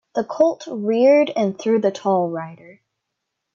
The colt reared and threw the tall rider.